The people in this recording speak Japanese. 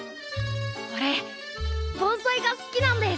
おれ盆栽が好きなんです。